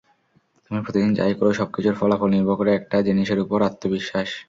তুমি প্রতিদিন যা-ই করো, সবকিছুর ফলাফল নির্ভর করে একটা জিনিসের ওপর—আত্মবিশ্বাস।